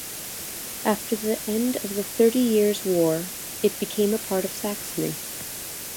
After the end of the Thirty Years' War it became a part of Saxony.